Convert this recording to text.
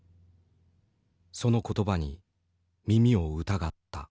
その言葉に耳を疑った。